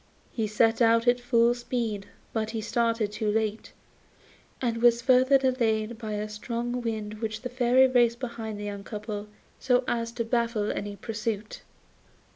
He set out at full speed; but he started too late, and was further delayed by a strong wind which the Fairy raised behind the young couple so as to baffle any pursuit.